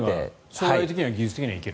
将来的には技術的にはいける？